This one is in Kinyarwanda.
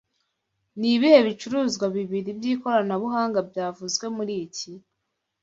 Nibihe bicuruzwa bibiri byikoranabuhanga byavuzwe muriki